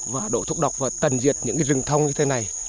và đổ thuốc độc và tần diệt những cái rừng thông như thế này